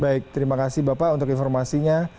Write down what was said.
baik terima kasih bapak untuk informasinya